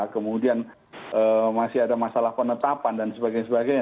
kemungkinan adanya sengketa kemudian masih ada masalah penetapan dan sebagainya sebagainya